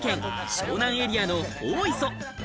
湘南エリアの大磯。